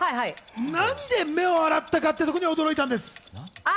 何で目を洗ったかということに驚いたんです。